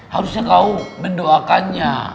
harusnya kau mendoakannya